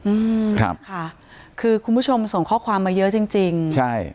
อืมครับค่ะคือคุณผู้ชมส่งข้อความมาเยอะจริงจริงใช่